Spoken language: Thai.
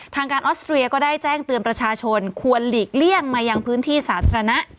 ทางการออสเตรียก็ได้แจ้งเตือนประชาชนควรหลีกเลี่ยงมายังพื้นที่สาธารณะ